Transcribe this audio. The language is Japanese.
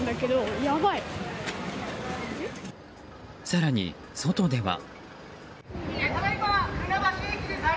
更に、外では。